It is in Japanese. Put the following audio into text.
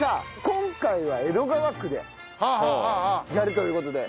今回は江戸川区でやるという事で。